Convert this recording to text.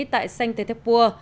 tại sanh tây thếp pua